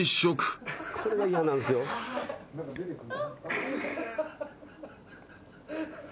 何か出てくる。